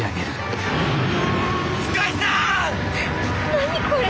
何これ？